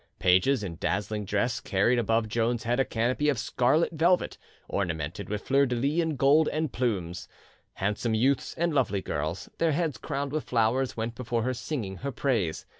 Pages in dazzling dress carried above Joan's head a canopy of scarlet velvet, ornamented with fleur de lys in gold and plumes. Handsome youths and lovely girls, their heads crowned with flowers, went before her singing her praise.